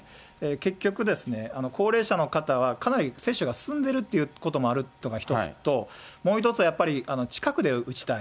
結局、高齢者の方は、かなり接種が進んでるということもあるというのが一つと、もう一つはやっぱり、近くで打ちたい。